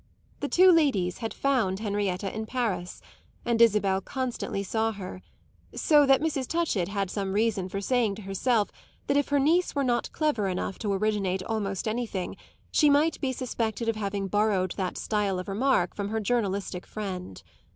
The two ladies had found Henrietta in Paris, and Isabel constantly saw her; so that Mrs. Touchett had some reason for saying to herself that if her niece were not clever enough to originate almost anything, she might be suspected of having borrowed that style of remark from her journalistic friend.